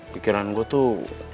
pikiran gue tuh